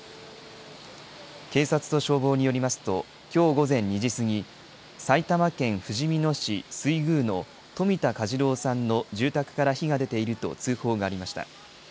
警察と消防によりますと、きょう午前２時過ぎ、埼玉県ふじみ野市水宮の冨田嘉次郎さんの住宅から火が出ていると通報がありました。